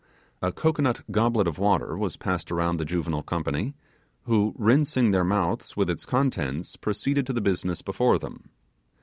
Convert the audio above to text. A cocoanut goblet of water was passed around the juvenile company, who rinsing their mouths with its contents, proceeded to the business before them.